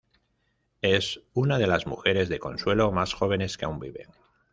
Es una de las mujeres de consuelo más jóvenes que aún viven.